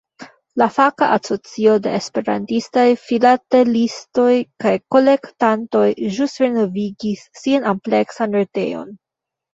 La faka asocio de esperantistaj filatelistoj kaj kolektantoj ĵus renovigis sian ampleksan retejon.